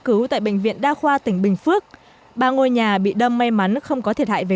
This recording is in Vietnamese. cứu tại bệnh viện đa khoa tỉnh bình phước ba ngôi nhà bị đâm may mắn không có thiệt hại về